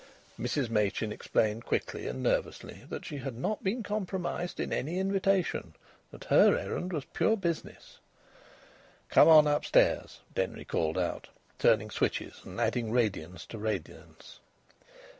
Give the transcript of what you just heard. Mrs Machin explained quickly and nervously that she had not been comprised in any invitation; that her errand was pure business. "Come on upstairs," Denry called out, turning switches and adding radiance to radiance.